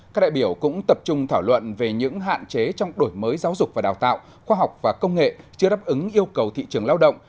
các đại biểu cũng tập trung thảo luận về những hạn chế trong đổi mới giáo dục và đào tạo khoa học và công nghệ chưa đáp ứng yêu cầu thị trường lao động